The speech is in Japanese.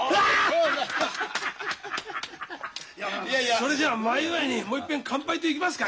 それじゃ前祝いにもういっぺん乾杯といきますか。